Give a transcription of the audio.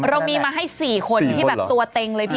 เรามีมาให้สี่คนที่แบบตัวเต็มเลย